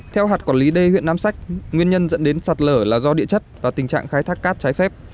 theo hạt quản lý đê huyện nam sách nguyên nhân dẫn đến sạt lở là do địa chất và tình trạng khai thác cát trái phép